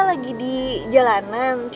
ndangin aja deh